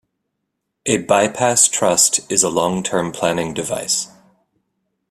A bypass trust is a long-term planning device.